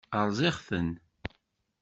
Rẓiɣ-ten.